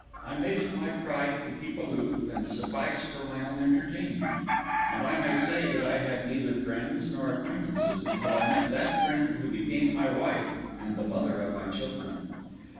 I made it my pride to keep aloof and suffice for my own entertainment; and I may say that I had neither friends nor acquaintances until I met that friend who became my wife and the mother of my children.